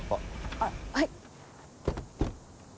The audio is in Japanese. あっはい。